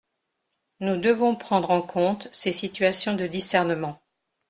Nous devons prendre en compte ces situations de discernement.